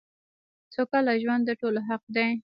سوکاله ژوند دټولو حق دی .